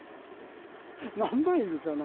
何羽いるかな。